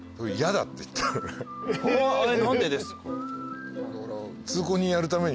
何でですか？